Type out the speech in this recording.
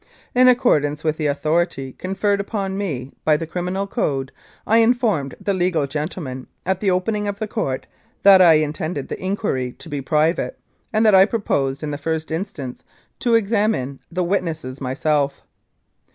In accord ance with the authority conferred upon me by the Criminal Code, I informed the legal gentlemen, at the opening of the Court, that I intended the inquiry to be private, and that I proposed in the first instance to examine the witnesses myself.